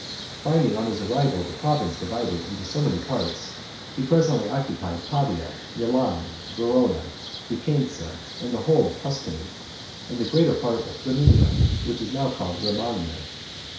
Finding, on his arrival, the province divided into so many parts, he presently occupied Pavia, Milan, Verona, Vicenza, the whole of Tuscany, and the greater part of Flamminia, which is now called Romagna.